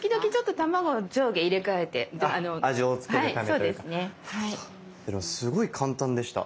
いやすごい簡単でした。